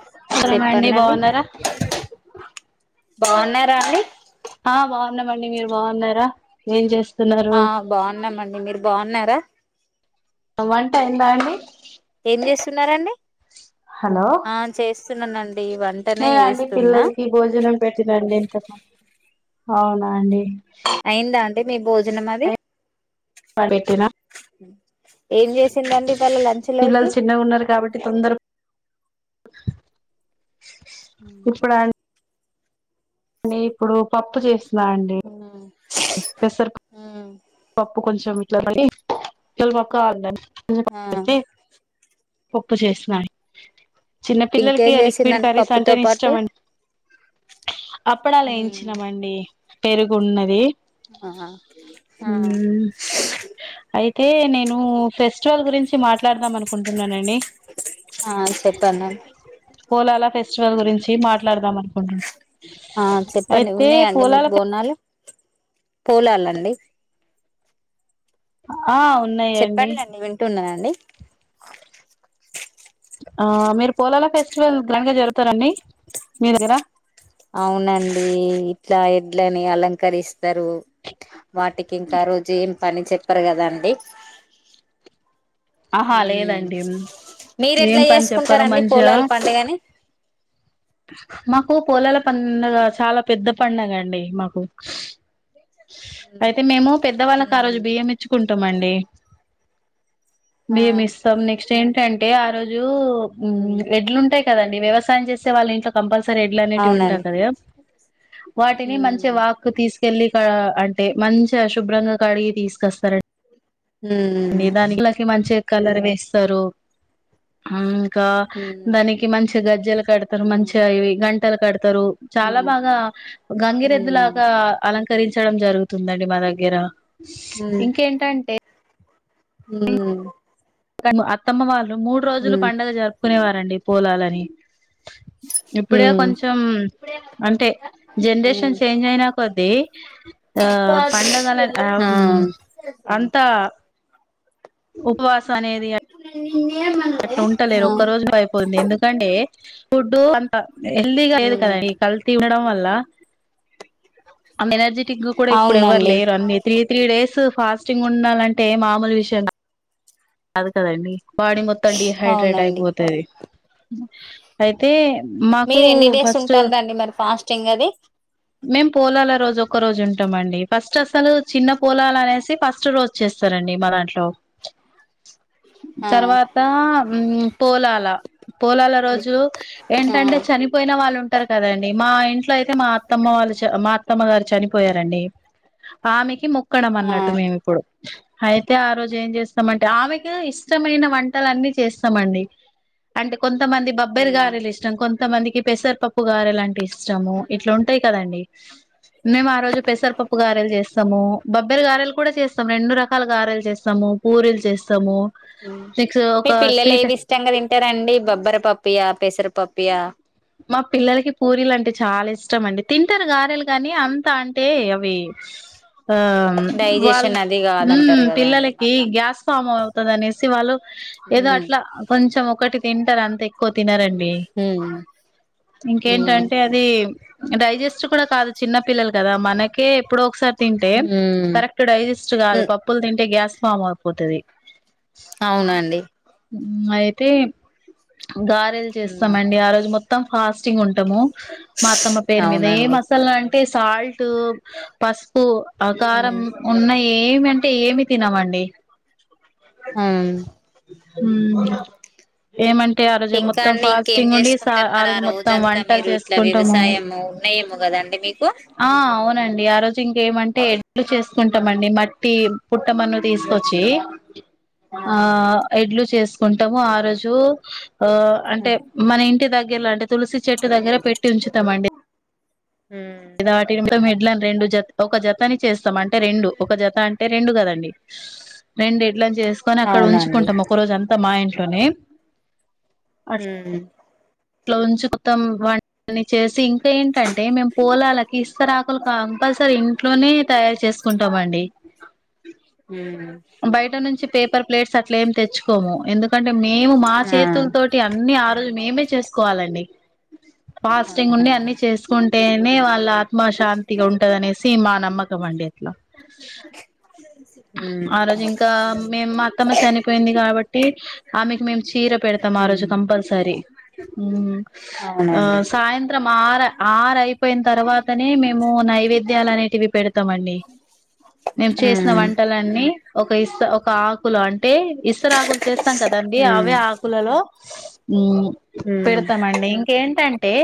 నమస్కారం అండి చెప్పండండి బాగున్నారా. బాగున్నారా అండి. ఆహ్ బాగున్నామండి మీరు బాగున్నారా ఏం చేస్త. ఆహ్ బాగున్నామండి మీరు బాగున్నార్. దా టమంటా ఎందా అండి ఏం చేస్తున్నారండి హలో ఆ చేస్త చిన్నండి నేనండి పిల్లలకి భోజనం పెట్టినండి ఇంత అవునా అండి అయిందా అంత అంట మీ భోజనం అది పెట్నా ఏం చేసిందండి ఇవాళ లంచ్ పిల్లలు లోకి చిన్నగా ఉన్నారు కాబట్టి తొందర ఇప్పుడ ని ఇప్పుడు పప్పు చేస్త లాండే ఉమ్ పెసర్ ఉమ్ పప్పు కొంచెం డి చల్ పక్క ఆన్నా ఆ పోపు చేసినయి చిన్న పిల్లలకి ఇంకేం లిక్విడ్ చేసిందండి కర్రీస్ అంటే పప్పుతో పాటు ఇష్టం అండి అప్పుడ అలా ఉమ్ వేయించినామండి పెరుగున్నది ఆ ఆ అయితే నేను ఫెస్టివల్ గురించి మాట్లా మాట్లాడదాం అనుకుంటున్నానండి ఆ చెప్పండండి కోలాలా ఫెస్టివల్ గురించి వ మాట్లాడదా అనుకుంట ఆ చెప్పండి ఉన్నాయంండి మీకు బోనాలు పోూలాలండి ఆ ఉన్నాయంండి అండీ ఆ మీరు పోలాల ఫెస్టివల్ గ్రాండ్ గా జరుగుతారండి మీ దగ్గర అవునండి ఇట్లా ఎడ్లని అలంకరిస్త ఇస్తారు వాటికి ఇంకా రోజు ఏం పని చెప్పారు కదా అని అండీ ఆహా లేదండి మీరు ఏం ఎట్లా పని చెప్పారు చేసుకుంటారండి మంచిగా పూలలు పడుగని మాకు పొలాల పడుగ చాలా పెద్ద పడుగ అండి మాకు అయితే మేము పెద్దవాళ్ళకి ఆ రోజు ఉమ్ బియ్యం ఇచ్చుకుంటా టమండి ఆ మేము ఇస్తాం నెక్స్ట్ ఏంటంటే ఆ రో ఉమ్ [unintelligible] ఎడ్లు ఉంటాయి కదండి వ్యవసాయం చే వాళ్ళింట్లో కంపల్ [unintelligible] సారి ఎడ్లు అనేటివి ఉంటాయి అవునండి కదా వాటిని మంచిగా ఉమ్ వాక్ తీస్ తెల్లి క అంటే మంచిగ అశుభ్రంగా కడిగి తీసుకొస్తార ఉమ్ [unintelligible] దానికిలాకి మంచిగా కలర్ వేస్తారు కా ఉమ్ దానికి మంచిగా గజ్జలు కడతారు మంచిగా ఇవి గం టలు పెడ్ తరు చాలా ఉమ్ బాగా గంగిరెద్దు ఉమ్ లాగా అలం కరించడం జరుగుతుందండి మా దగ్గర ఇంకేంటంటే హ్మ్ క అత్తమ్మ వా మూడు రోజులు పండగ జరుపుకునేవ రండి పోలాలని ఇప్పుడే ఉమ్ కొంచెం అంటే ఉమ్ ఉమ్ జనరేషన్ చేంజ్ అయినా కొద్దీ ఆ పండగల ఆం ఆ ఆ అంత ఉపవాస అనేది అ అట్లా ఉంటలేరు ఒక్క రోజులో అయిపోంది ఎందుకంటే ఫుడ్ హెల్దీగా లేదు ఉమ్ కదండి కల్తీ తినడం వల్ల అంత ఎనర్జెటిక్ గా కూడా ఇప్పుడు ఎవ్వరు అవునండి లేరు అన్ని త్రీ త్రీ డేస్ ఫాస్టింగ్ ఉండాలంటే ఏ మామూలు విషయం కా అది కదండి బాడీ మొత్తం డిహైడ్రేట్ అవునండి అయిపోతది అయితే మాకు మీరు ఎన్ని డేస్ ఫస్ట్ ఉంటాండి మరి ఫాస్ట్ టింగది మేము పొలాల రోజు ఒక్క రోజు ఉంటామండి ఫస్ట్ అసలు చిన్న పోలాలనేసి ఫస్ట్ రోజు చేస్తారండి మా దాంట్లో ఆ తర్వాత పోలాల పోలాల రోజు ఆ ఏంటంటే చనిపోయిన వాళ్ళు టారు కదండి మా ఇంట్లో అయితే మా అత్త త్తమ్మ వాళ్ళ చ మా అత్తమ్మ గారు చనిపోయారండి ఆమెకి మో క్కడం ఆ అన్నట్టు మేమిప్పుడు అయితే ఆ రోజు ఏం చేస్తామంటే ఆమెకి ఇష్టమైన వంటలన్నీ చేస్తామండి అంటే కొంతమంది బబ్బెరి ఉమ్ గారెలు ఇష్టాం కొంతమందికి పెసరపప్పు గారెలు అంటే ఇష్ ఇష్టాము ఇట్లా కదండి మేము ఆ రోజు పెసరపప్పు గారెలు చేస్తాము బబ్బెర గారెలు కూడా చేస్తాము రెండు రకాల గారలు చేస్తాము పూరీలు చేస్తాము ఉమ్ నక్స్ మీ ఒక పిల్లలు స్వీట్ పేసరు పప్పుయా కష్టమండి తింటారు గారెలు కాని అంతా అంటే అవి ఆ డైజెషన్ వాళ్ళు అది కాదంటారు కదా అండి పిల్లలకి మళ్ళా గ్యాస్ ఫామ అవుతంది అనేసి వాళ్ళు ఏదో ఉమ్ అట్లా కొంచెం ఒకటి తిన్ అది అంత ఎక్కువ తినరండి హ్మ్ ఇంకేంటంటే అది డైజెస్ట్ కూడా కాదు చిన్న పిల్లలు కదా మనకే ఎప్పుడో ఒకసారి తింటే ఉమ్ కరెక్ట్ డైజెస్ట్ కాదు ఉమ్ పప్పులు తింటే గ్యాస్ ఫామ్ అయిపోతది అవునండి అయితే గారెలు ఉమ్ చేస్తామండి ఆ రోజు మొత్తం ఫాస్టింగ్ ఉంటాము మా అతమ్మ పేరు మీద ఏ అవునండి మసాల అంటే సాల్ట్ పసుపు ఆకారం ఉమ్ ఉన్నాయి ఏమి అంటే ఏమి తినమండి హ హ ఏమంట ఆ రోజు మొత్తం ఫాస్టింగ్ ఉండి అంటారు మరి ఆ రోజు మొత్తం రోజంతా వంటలు మీరు ఇట్లా చేసుకుంటాము వ్యవసాయ ఉన్నాయేమో కదాండి మీకు ఆ అవునండి ఆ రోజు ఇంకేమంటే ఎడ్లు చేసుకుంటామండి మట్టి పుట్టమన్ను తీసుకొచ్చి ఆ ఎడ్లు చేసు కుంటాము ఆ రోజు ఆ అంటే మన ఇంటి దగ ఎలా అంటే తులసి చెట్టు దగ్గర పెట్టి ఉంచుతామండి ఇటి ఇట్లాని రెండు జ ఒక జత అని చేస్తాం అంటే అంటే రెండు ఒక జత అంటే రెండు కదండి రెండు ఎట్ల చేసుకొని అక్కడ అవునండి ఉంచుకుంటాం ఒక రోజు అంతా మా ఇంట్లో టనే హు అట్లా ఉంచి వత్తం వ దన్ని చేసి ఇంకా ఏంటంటే మేము పొలాలకి ఇస్తరాఅకులు కంపల్సరీ ఇంట్లోనే తయారు చేసుకుంటామండి ఉమ్ బయట నుంచి పేపర్ ప్లేట్స్ అట్ల ఏమి తెచ్చుకోము ఎందుకంటే మేము మా ఆ చేతుల తోటి అన్ని ఆరో మేమే చేసుకోవాలండి ఫాస్టింగ్ ఆహా ఉండి అన్ని చేసుకుంటే నే వా ఆత్మశాంతిగా ఉంటదనేసి మా నమ్మకంమండి అట్లా ఉమ్ ఆ రోజు ఇంకా మేము అత్తమ్మ చనిపోయింది కాబట్టి ఆమెకి మేము చీర పెడతాం ఆ ఉమ్ రోజు కంపల్సరీ ఆ అవునండి సాయంత్రం ఆర ఆర అయిపోయి తర్వాత నే మేము నైవేద్య ధ్యాల అనేటివి పెడా అండి నేము చేసిన వ ఉమ్ అన్ని ఒక ఒక ఇస్త ఒక ఆకులు అంటే అంటే ఇస్తర ఆకులు చేస్తాం కదండి ఉమ్ అవే ఆకులలో ఊ ఉమ్ పిడతామండి ఇంకా ఏంటి అండి టే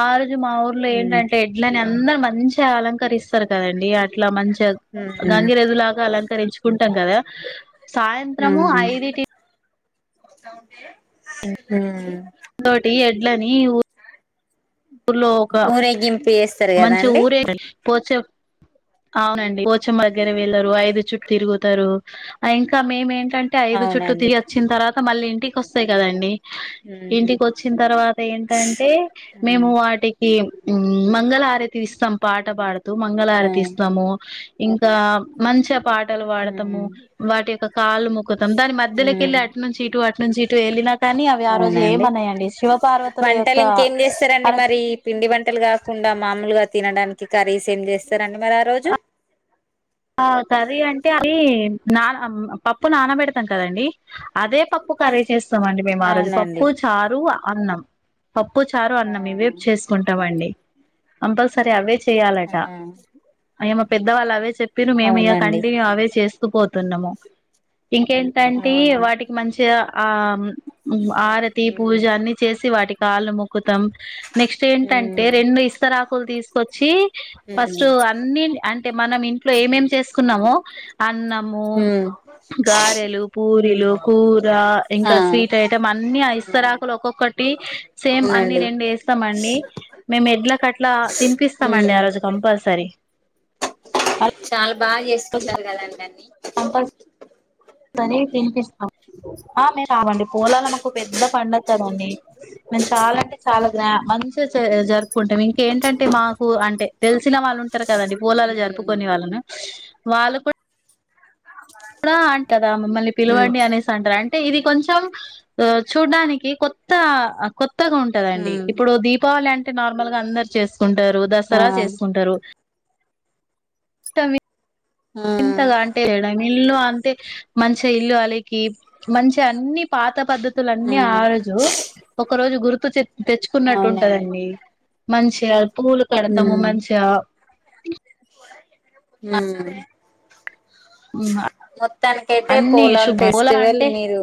అల్ మా ఊర్లో ఉమ్ ఏంటంటే ఎడ్లని అందరు మంచి మంచి అలంకరిస్తారు కదండి అట్లా మంచిగా ఉమ్ గంగిరెద్దులాగా అలంకరించుకుంటాం కదా సాయంత్రము ఐదుటి హు అంతోటి ఎడ్లని ఊ ఊరేగింపు చేస్తా మంచి ఊరే ఎగలి అవునండి పోచమ్మ దగ్గర వెళ్లారు ఐదు చుట్టూ తిరుగుతారు ఇంకా మేమేంటి అంటే ఐదు చుట్లు అవునండి తిగి వచ్చిన తర్వాత, మళ్ళీ ఇంటికి వస్తాయి కదండి ఉమ్ ఇంటికి వచ్చిన తర్వాత ఏంటంటే ఉమ్ మేము వాటికి ఉమ్ మా బంగళ ఆరే తీ ఇస్తాం పాట పాడత ఆ మంగళారతి ఇస్తాము ఇంకా మంచిగా పాటలు వాడతాము ఉమ్ వాటి యొక్క కాళ్ళ మొకుతాము దాని ఉమ్ మధ్యలోకిళ్ళి అటు నుంచి ఇటు అటు నుంచి థెలినాటు కానీ అవి ఆ రోజు అవునండి ఏమన్నాయండి శివ పార్వతుల యొక్క వంటలు ఇంకేం అరచ తకుండా మామూలుగా తినడానికి కర్రీస్ ఏం చేస్తారంండి మరి ఆ రోజు ఆ సది అంటే అవి నానా పప్పు నానబెడతాం కదండి అదే పప్పు కర్రీ చేస్త వస్తాం అండి మేము ఆ రోజు అవునండి పప్పు చారు అన్నం పప్పు చారు ఆ అన్నం ఇవేపు చేసుకుంటాంండి అంబల్ సరే ఆజ ఆ చేయాలట అయమ పెద్దవాళ్ళు అవే చెప్ రు మేము ఇగ అవునండి కంటిన్యూ అవే చేస్ పోతున్నము ఆ ఇంకేంటంటి వాటికి మంచిగ ఆ మ్ ఆరతి పూజ ఉమ్ అన్ని చేసి వాటి కాళ్లు ముక్ కుతం నెక్స్ట్ ఏంటంటే ఉమ్ రెండు ఇస్తరాకులు తీసుకొచ్చి ఉమ్ ఫస్ట్ అన్ని అంటే మనం ఇన్ ఏం ఏం చేసుకున్నామో అన్నము ఉమ్ గారెలు పూరీలు కూర ఆ ఇంకా స్వీట్ ఐటం అన్ని ఉమ్ ఇస్తరాకులు ఒక్కొక్క టి సేమ్ అన్ని అవునండి రెండు వేస్తామండి మేము ఎడ్ల కట్లా తినిపిస్తామండి ఆ ఉమ్ రోజు కంపల్సరీ అ చాల్ బాగా చేసుకుంటారు కదండి అన్ని తని తినిపిస్తామ్ ఆ మేము రావండి పూలలు మాకు పెద్ద పడుగ కదండి మేము చాలా అంటే చాలా గ్ మంచిగా జరుపుకుంటాం ఇంకేంటంటే మాకు అంటే తెలిసిన వాళ్ళు ఉంటారు కదండి పూలాలు ఉమ్ జరుపుకుొనే వాళ్ళను వాళ్ళకు రా అంట గదా మమ్మల్ని ఉమ్ పిలువండి. అనేసి అంటారు అంటే ఇది కొంచెం చూడ్డానికి కొత్త కొత్ త్తగా ఉంటదండి. ఉమ్ ఇప్పుడు దీపావళి అం అంటే నార్మల్గ అందర్ చేస్ కుంటారు ఆ దసర చేసుకుంటారు. ట మీ ఉమ్ వింతగా అంటే [unintelligible] అంటే మంచి ఇల్లు అలికి మంచి అన్ని పాత పద్ధతులన్నీ ఆ ఉమ్ రోజు ఒక రోజు గుర్తు తె తెచ్చుకున్నట్టు అవునండి ఉంటదండి. మంచిగ పూలు కడతాము మంచిగా హు మొత్తానికి అయితే అన్ని పోలాల్ శుభ ఫెస్టివల్ మిరు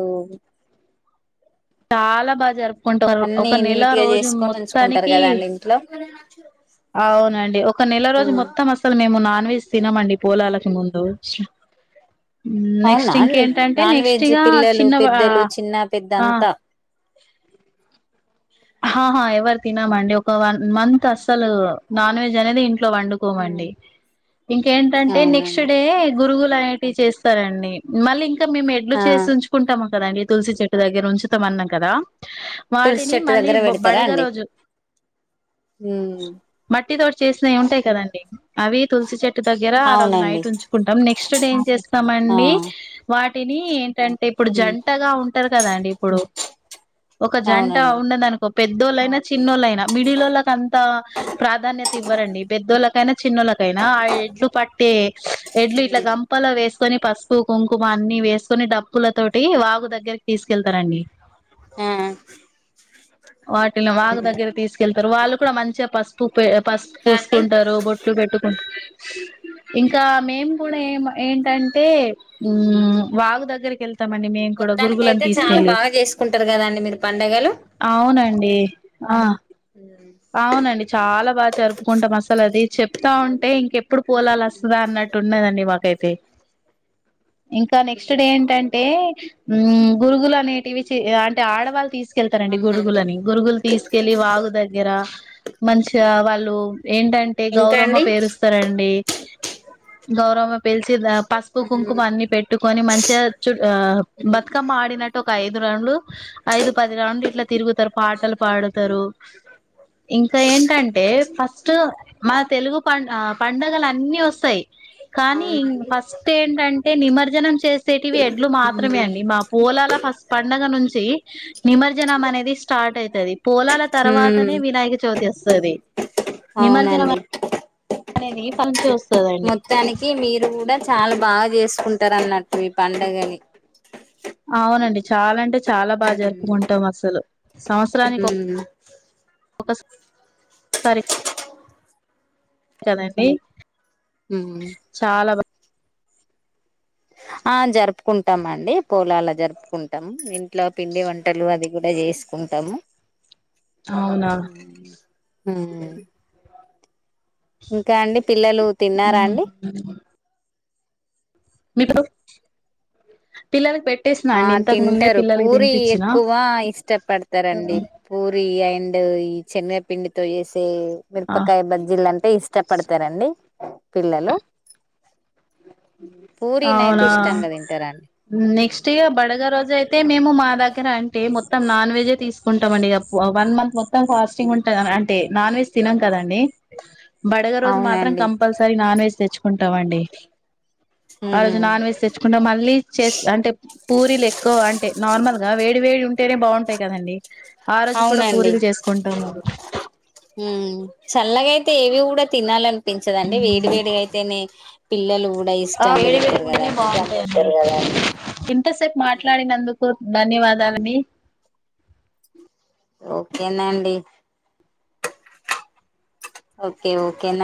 చాల బజార్ అన్ని నీట్గా చేసుకొని ఉంచుకుంటారు. మొత్తానికి కదా అండి ఇంట్లో అవునండి. ఒక నెల రోజు మొత్తం అసలు మేము నాన్ వెజ్ తినమండి. పోలాలకు ముందు నెక్స్ట్ అవునా అండి ఇంకేంటంటే నాన్ నెక్స్ట్ వెజ్ ఇగా పిల్లలు చిన్న పెద్దలు చిన్న పెద్ద ఆ అంతా హా హా ఏ వ్ వర్ తినం అండి ఒక్క వార్ మంత్ అస్సలు నాన్ వెజ్ అనేది ఇం ట్లో వండుకోమండి ఇంకేంటంటే నెక్స్ట్ అవునండి డే గురుగులు క్లీన్ చేస్తారండి మళ్ళీ ఇం కా మేము ఎడ్లు ఆ చేసి ఉంచుకుంటామా కదండి. తులసి చెట్టు దగ్గర ఉంచుతం అన్నం కదా తులసి వాటిని చెట్టు మళ్ళీ దగ్గర బొ పెడతారా బడగ అండి. రోజు హ్ ట్టి తోటి చేసినవి ఉంటాయి. కదండి అవి తులసి చెట్ దగ్గర ఆ రోజు అవునండి నైట్ ఉంచుకుంటం నెక్స్ట్ నెక్స్ట్ డే ఏం చేస్ ఆ స్తమండి వాట్ టిని ఏంట ఇప్పుడు జంటగా ఉం ఉంటరు కదా అండి ఇప్పుడు ఒక జంట అవునండి పెద్దోళ్ళైనా చిన్నోళ్ళైనా మిడిలోళ్ళకు అంత ప్రాధాన్యత ఇవ్వరండి పెద్దోళ్ళకైనా చిన్నోళ్ళకైనా ఆ ఎడ్లు పట్టే ఎడ్లు ఇట్ల గంపలో వేస్ కొని పసుపు కుంకుమ అన్ని వేసుకుని డప్పుల తోటి వాగు దగ్గరకి తీసుకెళ్తారండి హా వాటిల్ వాగ్ దగ్గర తీసు కేళ్తరు వాళ్ళు కూడా మంచిగా పసుపు పే పసుపు ఇంకా అండి పూసుకుంటరు బో చూపెట్టుకుంటు ఇంకా మేము కూడా ఏం ఏంటంటే వాగు దగ్గరికి వెళ్తామండి మేం మొత్తానికైతే చాలా బాగా చేసుకుంటరు కదండి మీర పండు అవునండి ఆ అవునండి చాలా బాగా జరుపుకుంటాం అసలు అది చెప్తా ఉంటే ఇంకెప్పుడు పోలాలు అస్తదా అన్నట్టు ఉన్నదండి మాకైతే ఇంకా నెక్స్ట్ డే ఏంటంటే గురుగులు అనేటివి అంటే ఆడవాళ్ళు తీసుకెళ్తారండి అవునండి గురుగులని గురుగులు తీసుకెళ్ళలి వాగుదగ్గ దగ్గర మంచిగా వాళ్ళు ఏంటంటే ఇంకా గౌరమ్మ అండి పేరుస్తారండి గౌరమ్మ పేల్సి ద పసుపు కుంకుమ అన్ని పెట్టుకొని మంచిగా చు ఆ బతుకమ్మ అడి నట్ ఒక ఐదు రౌండ్లు ఐదు పది రౌండ్లు ఇట్లా తిరుగుతరు పాటలు పాడుతరు ఇంకా ఏంటంటే ఫస్ట్ మా తెలుగు ప పండగలు అన్ని వస్తాయి కానీ అవునండి ఫస్ట్ ఏంటంటే నిమజ్జనం చేసేటివి ఎడ్లు మాత్రమే అండి మా పోలాల ఫస్ట్ పండగ నుంచి నిమజ్జనం అనేది స్టార్ట్ అయితది పోలాల తర్వాత కని ఉమ్ వినాయక చవితి అస్ తది అవునండి అనేది పను చూస్ మొత్తానికి మీరు కూడా చాలా బాగా చేస్ కుంటరన్నట్టు ఈ పండగని అవునండి చాలా అంటే చాలా బాగా ఉమ్ జరుపుకుంటాం అసలు సంవత్సరానికి ఒ ఉమ్ కరే కదండి ఉమ్. చాలా బ ఆ జరుపుకుంటాం అండి పూలాల జరుపుకుంటాము ఇంట్లో పిండి వంటలు అది కూడా చేసుకుంటాము అవునా ఉమ్ ఉమ్. ఇంకా అండి పిల్లలు తిన్నారా ఉమ్ అండి పిల్లాకి పెట్ ఆ తింటారు పూరి ఎక్కువ ఇష్టపడతారంండి పూరి అయినా ఈ చెన్నపిండితో చే ఆ మిరపకాయ బజ్జీలు అంటే ఇష్టపడతారండి పిల్లలు పూరనయితే అవునా ఇష్టంగా తింటారంండి పగ రోజు అయితే మేము మా దగ్గర అంటే మొత్తం నాన్ వెజ్ే తీసుకుంటాం అండి ఇ వన్ మంత్ మొత్తం ఫాస్టింగ్ ఉంట అంటే నాన్ వెజ్ తినం కదండి బడగ రోజు మాత్రం అవునండి కంపల్సర నాన్వ వెజ్ తెచ్చు ఉంటామండి ఆ రోజు నాన్ వెజ్ తెచ్చుకుంటా మళ్ళీ చే అంటే పూరీలు ఎక్కువ అంటే నార్మల్ గా వేడి వేడి ఉంటేనే బాగుంటాయి కదండడి అవునండి ఉమ్ చల్లగై టే ఏవి కూడా తినాలని పించదండి వేడి వేడిగా అయితేనే పిల్లలు కూడా ఇష్టంగా తింటారు కదాండి తిన్ ఎంత సేపు మాట్లాడినందుకు ధన్యవాదాలండి ఓకేనండి ఓకే ఓకే నా